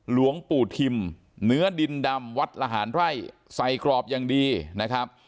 หลวงปู่ทิมเนื้อดินดำวัดละหารไร่ใส่กรอบอย่างดีนะครับ